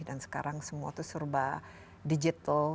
dan sekarang semua itu serba digital